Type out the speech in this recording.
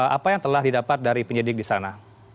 apa yang telah didapat dari penyidik di sana